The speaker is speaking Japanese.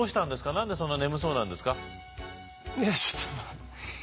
何でそんな眠そうなんですか？